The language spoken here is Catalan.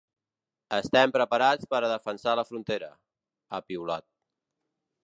“Estem preparats per a defensar la frontera”, ha piulat.